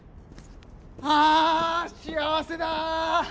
ああ幸せだ。